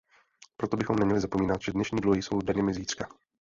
Proto bychom neměli zapomínat, že dnešní dluhy jsou daněmi zítřka.